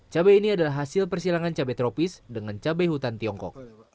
cabai ini adalah hasil persilangan cabai tropis dengan cabai hutan tiongkok